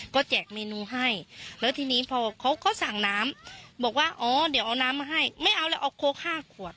ก็แจกเมนูให้แล้วทีนี้พอเขาสั่งน้ำบอกว่าอ๋อเดี๋ยวเอาน้ำมาให้ไม่เอาแล้วเอาโค้ก๕ขวด